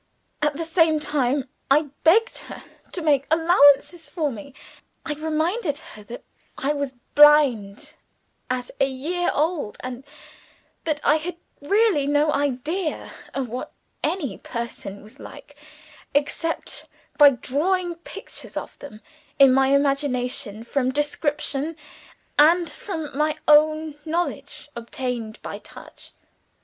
At the same time, I begged her to make allowances for me. I reminded her that I was blind at a year old, and that I had really no idea of what any person was like, except by drawing pictures of them in my imagination, from description, and from my own knowledge obtained by touch.